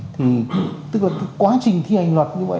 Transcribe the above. tức là quá trình thi hành luật như vậy